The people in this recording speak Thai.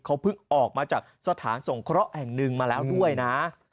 เขาเพิ่งออกมาจากสถานสงเคราะห์แห่งหนึ่งมาแล้วด้วยนะ